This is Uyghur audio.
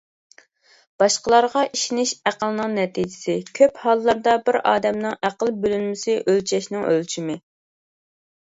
باشقىلارغا ئىشىنىش ئەقىلنىڭ نەتىجىسى، كۆپ ھاللاردا بىر ئادەمنىڭ ئەقىل بۆلۈنمىسى ئۆلچەشنىڭ ئۆلچىمى.